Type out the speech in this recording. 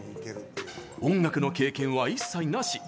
音楽の経験は一切なし。